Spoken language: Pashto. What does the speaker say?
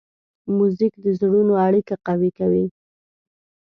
موزیک د زړونو اړیکه قوي کوي.